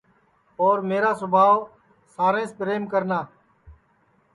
اور میرا سوبھاو ساریںٚس پریم کرنا